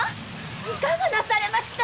いかがなされました